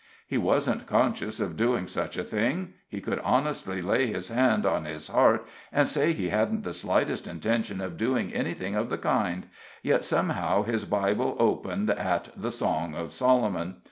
He wasn't conscious of doing such a thing he could honestly lay his hand on his heart and say he hadn't the slightest intention of doing anything of the kind, yet somehow his Bible opened at the Song of Solomon.